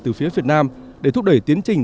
từ phía việt nam để thúc đẩy tiến trình